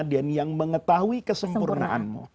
dan yang mengetahui kesempurnaanmu